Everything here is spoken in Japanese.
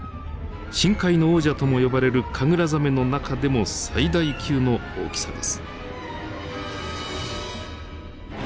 深海の王者とも呼ばれるカグラザメの中でも最大級の大きさです。